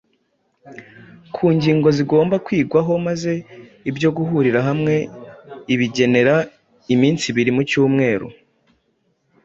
ku ngingo zigomba kwigwa, maze ibyo guhurira hamwe ibigenera iminsi ibiri mu cyumweru.